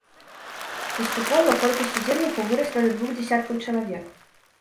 Паступова колькасць удзельнікаў вырасла да двух дзясяткаў чалавек.